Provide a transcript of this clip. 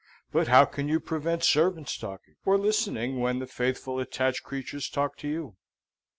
But how can you prevent servants talking, or listening when the faithful attached creatures talk to you?